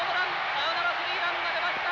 サヨナラスリーランが出ました。